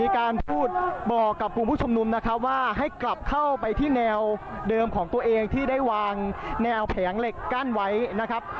การพูดบอกกับกลุ่มผู้ชมนุมนะครับว่าให้กลับเข้าไปที่แนวเดิมของตัวเองที่ได้วางแนวแผงเหล็กกั้นไว้นะครับ